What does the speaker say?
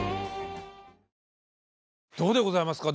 どうでございますか？